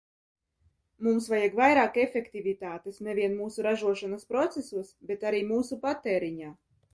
Mums vajag vairāk efektivitātes ne vien mūsu ražošanas procesos, bet arī mūsu patēriņā.